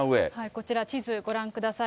こちら、地図ご覧ください。